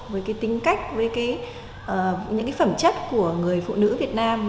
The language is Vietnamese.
với cái tính cách với những cái phẩm chất của người phụ nữ việt nam